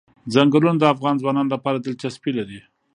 ځنګلونه د افغان ځوانانو لپاره دلچسپي لري.